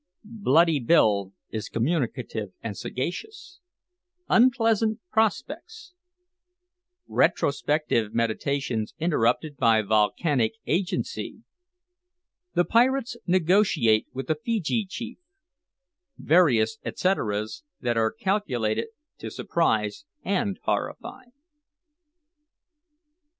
BLOODY BILL IS COMMUNICATIVE AND SAGACIOUS UNPLEASANT PROSPECTS RETROSPECTIVE MEDITATIONS INTERRUPTED BY VOLCANIC AGENCY THE PIRATES NEGOTIATE WITH A FEEJEE CHIEF VARIOUS ETCETERAS THAT ARE CALCULATED TO SURPRISE AND HORRIFY.